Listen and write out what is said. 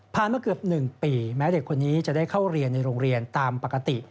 มาเกือบ๑ปีแม้เด็กคนนี้จะได้เข้าเรียนในโรงเรียนตามปกติ